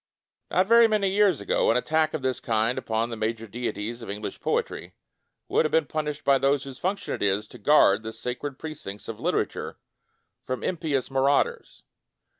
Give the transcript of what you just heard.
Not very many years ago, an attack of this kind upon the major deities of English poetry would have been pun ished by those whose function it is to guard the sacred precincts of litera ture from impious marauders.